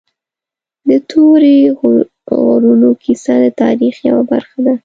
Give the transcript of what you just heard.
د تورې غرونو کیسه د تاریخ یوه برخه ده.